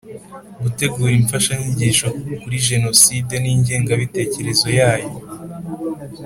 Gutegura imfashanyigisho kuri jenoside n ingengabitekerezo yayo